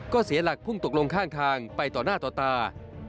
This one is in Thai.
ก็เสียหลักพุ่งตกลงข้างทางไปต่อหน้าต่อตา